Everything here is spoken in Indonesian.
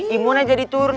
imunnya jadi turun